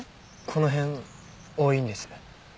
この辺多いんです